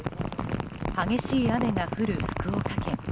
激しい雨が降る福岡県。